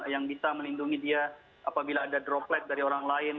yang bisa melindungi dia apabila ada droplet dari orang lain